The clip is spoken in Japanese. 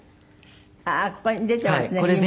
ああーここに出ていますね。